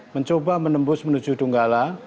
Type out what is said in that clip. mencoba menembus menuju dunggala